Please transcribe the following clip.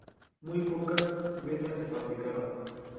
Muy pocas beta se fabricaron.